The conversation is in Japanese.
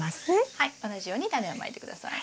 はい同じようにタネをまいて下さい。